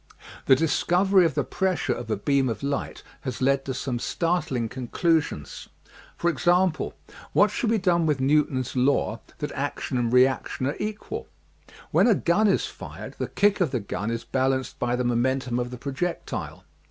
The discovery of the pressure of a beam of light has led to some startling conclusions. For example, what shall be done with Newton's law that action and reaction are equal? When a gun is fired the kick of the gun is balanced by the momentum of the projec tile.